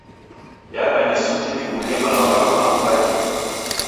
Yaka ni suti diw'urie malagho ghamu angu waghiliw'a.